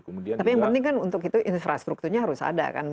tapi yang penting kan untuk itu infrastrukturnya harus ada kan